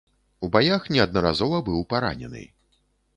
У баях неаднаразова быў паранены.